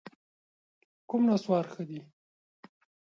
کوم نسوار ښه دي؟